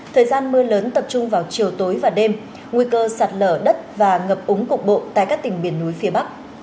thời gian mưa lớn tập trung vào chiều tối và đêm nguy cơ sạt lở đất và ngập úng cục bộ tại các tỉnh biển núi phía bắc